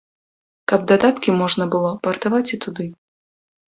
Каб дадаткі можна было партаваць і туды.